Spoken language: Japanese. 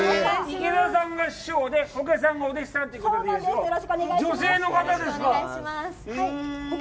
池田さんが師匠で保家さんがお弟子さんということですか。